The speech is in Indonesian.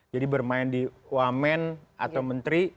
jadi bermain di wamen atau menteri